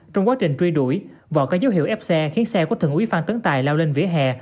trong quá trình truy đuổi vỏ ca dấu hiệu ép xe khiến xe của thường úy phan tấn tài lao lên vỉa hè